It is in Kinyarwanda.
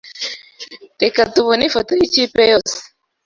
Reka tubone ifoto yikipe yose.